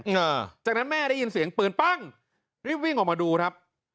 หลังจากนั้นแม่ได้ยินเสียงปืนปั้งรีบวิ่งออกมาดูครับ